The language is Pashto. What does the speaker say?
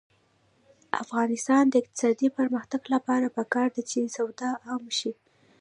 د افغانستان د اقتصادي پرمختګ لپاره پکار ده چې سواد عام شي.